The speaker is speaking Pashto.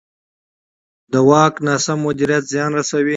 د واک ناسم مدیریت زیان رسوي